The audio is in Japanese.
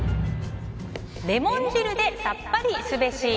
レモン汁でさっぱりすべし。